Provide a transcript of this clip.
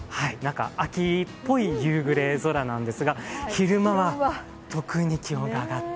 秋っぽい夕暮れ空なんですが、昼間は特に気温が上がって。